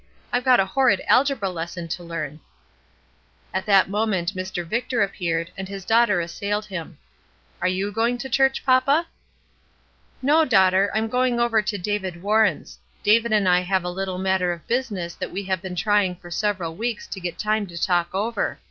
I've got a horrid algebra lesson to learn." At that moment Mr. Victor appeared, and his daughter assailed him. "Are you going to church, papa?" 106 ESTER RIED'S NAMESAKE "No, daughter, I^m going over to David Warren^s. David and I have a little matter of business that we have been trying for several weeks to get time to talk over.